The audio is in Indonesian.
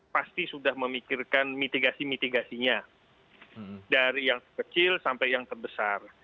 pasti sudah memikirkan mitigasi mitigasinya dari yang kecil sampai yang terbesar